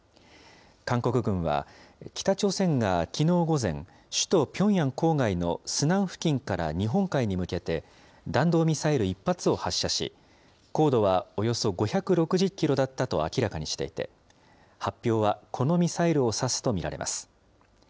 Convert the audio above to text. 韓国軍は、北朝鮮がきのう午前、首都ピョンヤン郊外のスナン付近から日本海に向けて、弾道ミサイル１発を発射し、高度はおよそ５６０キロだったと明らかにしていて、発表はこのミサイルを指すと見られます。